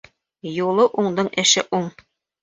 Юлы уңдың эше уң.